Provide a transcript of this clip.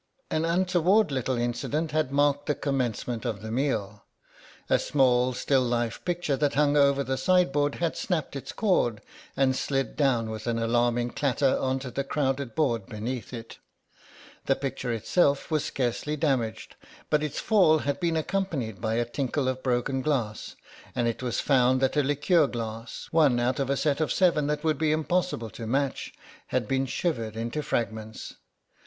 An untoward little incident had marked the commencement of the meal. A small still life picture that hung over the sideboard had snapped its cord and slid down with an alarming clatter on to the crowded board beneath it. The picture itself was scarcely damaged, but its fall had been accompanied by a tinkle of broken glass, and it was found that a liqueur glass, one out of a set of seven that would be impossible to match, had been shivered into fragments.